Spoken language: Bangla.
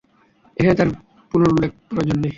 এখানে তার পুনরুল্লেখ প্রয়োজন নেই।